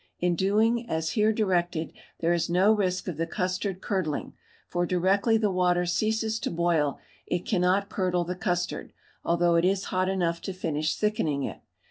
In doing as here directed there is no risk of the custard curdling, for directly the water ceases to boil it cannot curdle the custard, although it is hot enough to finish thickening it.